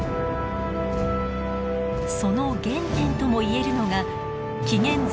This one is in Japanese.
その原点とも言えるのが紀元前